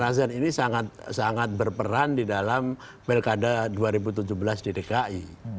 sarah zain ini sangat berperan di dalam belkada dua ribu tujuh belas di dki